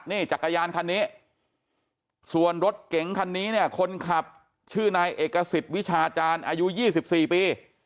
นี่จักรยานคันนี้ส่วนรถเก๋งคันนี้เนี่ยคนขับชื่อนายเอกสิทธิ์วิชาจารย์อายุ๒๔ปี